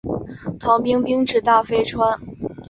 唐军兵至大非川。